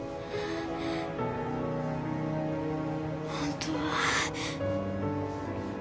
本当は。